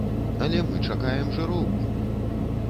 Але мы чакаем жыроўку!